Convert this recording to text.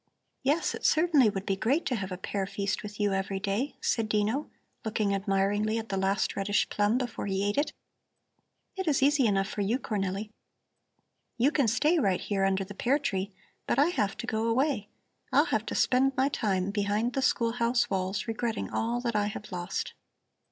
"Yes, it certainly would be great to have a pear feast with you every day," said Dino, looking admiringly at the last reddish plum before he ate it. "It is easy enough for you, Cornelli. You can stay right here under the pear tree, but I have to go away. I'll have to spend my time behind the school house walls, regretting all that I have lost."